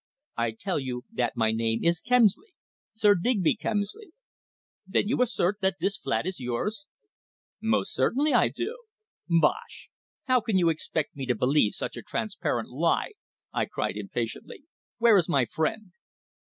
"I tell you that my name is Kemsley Sir Digby Kemsley." "Then you assert that this flat is yours?" "Most certainly I do." "Bosh! How can you expect me to believe such a transparent tale?" I cried impatiently. "Where is my friend?"